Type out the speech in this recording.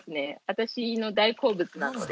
私の大好物なので。